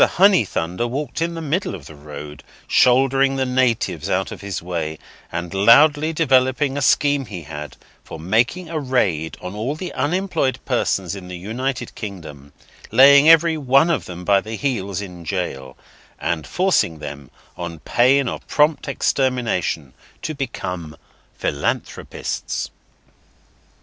Honeythunder walked in the middle of the road, shouldering the natives out of his way, and loudly developing a scheme he had, for making a raid on all the unemployed persons in the United Kingdom, laying them every one by the heels in jail, and forcing them, on pain of prompt extermination, to become philanthropists.